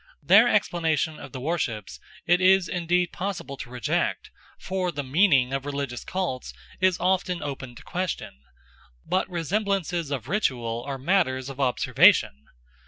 Their explanations of the worships it is indeed possible to reject, for the meaning of religious cults is often open to question; but resemblances of ritual are matters of observation.